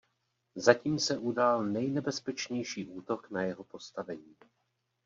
Zatím se udál nejnebezpečnější útok na jeho postavení.